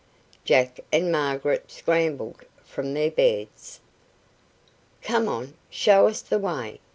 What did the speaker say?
Jack and Margaret scrambled from their beds. "Come on, show us the way!"